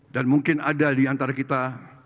dan mungkin ada di antara kita